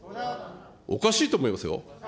おかしいと思いますよ。